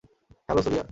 Hello, Surya.